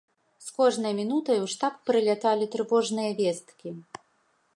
З кожнай мінутай у штаб прыляталі трывожныя весткі.